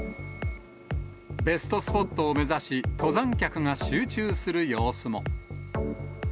ベストスポットを目指し、登山客が集中する様子も。